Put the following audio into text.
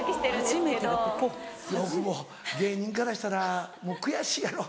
大久保芸人からしたらもう悔しいやろ。